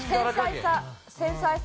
繊細さ。